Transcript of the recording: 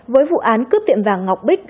với vụ án cướp tiệm vàng ngọc bích